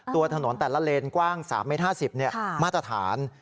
ตัวถนนแต่ละเลนกว้าง๓เมตร๕๐มาตรฐาน